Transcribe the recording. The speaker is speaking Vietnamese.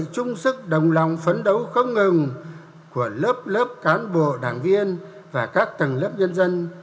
trong phấn đấu không ngừng của lớp lớp cán bộ đảng viên và các tầng lớp dân dân